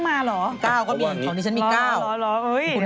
๙ก็มีตอนนี้ฉันมี๙เดี๋ยวคุณ๕มาอ๋อโอ้โฮคุณ๕มา